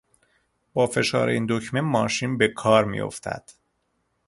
با فشار این دکمه ماشین به کار میافتد.